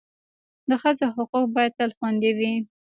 د ښځو حقوق باید تل خوندي وي.